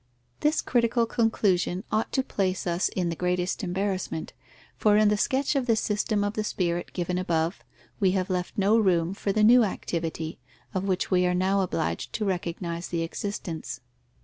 _ This critical conclusion ought to place us in the greatest embarrassment, for in the sketch of the system of the spirit given above, we have left no room for the new activity, of which we are now obliged to recognize the existence.